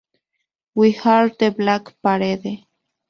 We are The Black Parade"".